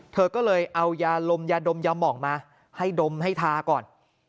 เธอก็เลยเอายาลมยาดมยามองมาให้ดมให้ทาก่อน